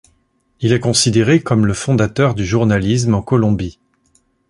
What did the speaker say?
Il est considéré comme le fondateur du journalisme en Colombie.